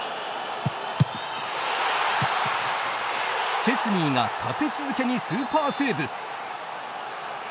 シュチェスニーが立て続けにスーパーセーブ。